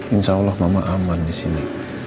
insya allah mama aman disini